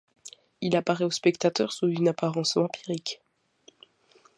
Il apparaît au spectateur sous une apparence vampirique.